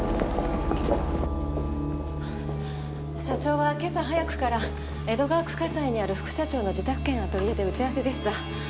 社長は今朝早くから江戸川区西にある副社長の自宅兼アトリエで打ち合わせでした。